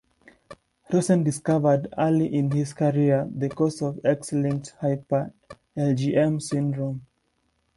Rosen discovered, early in his career, the cause of X-linked hyper-IgM syndrome.